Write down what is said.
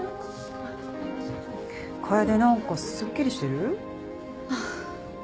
楓何かすっきりしてる？あっ。